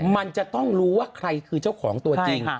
มันจะต้องรู้ว่าใครคือเจ้าของตัวจริง